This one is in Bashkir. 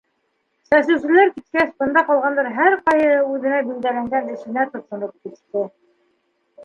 Сәсеүселәр киткәс, бында ҡалғандар һәр ҡайһыһы үҙенә билдәләнгән эшенә тотоноп китте.